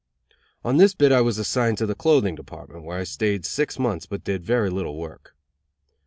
On this bit I was assigned to the clothing department, where I stayed six months, but did very little work.